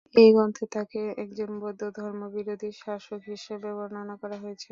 এই গ্রন্থে তাকে একজন বৌদ্ধ ধর্ম বিরোধী শাসক হিসেবে বর্ণনা করা হয়েছে।